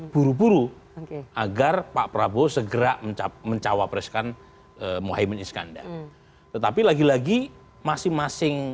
buru buru agar pak prabowo segera mencapai mencawa preskan mohaiman iskandar tetapi lagi lagi masing masing